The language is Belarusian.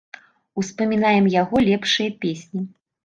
Успамінаем яго лепшыя песні.